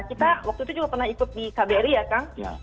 kita waktu itu juga pernah ikut di kbri ya kang